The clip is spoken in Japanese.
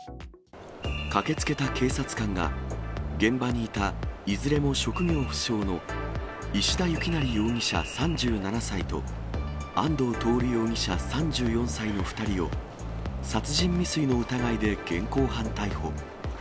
駆けつけた警察官が、現場にいた、いずれも職業不詳の石田幸成容疑者３７歳と、安藤徹容疑者３４歳の２人を、殺人未遂の疑いで現行犯逮捕。